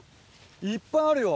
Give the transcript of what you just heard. いっぱいあるよ。